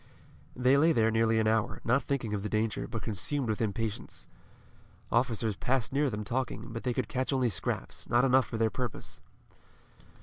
They lay there nearly an hour, not thinking of the danger, but consumed with impatience. Officers passed near them talking, but they could catch only scraps, not enough for their purpose.